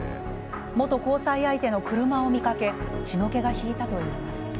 元交際相手の車を見かけ血の気が引いたといいます。